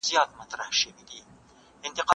د معلم مسؤليت ډېر دی.